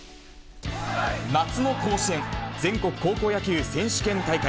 夏の甲子園、全国高校野球選手権大会。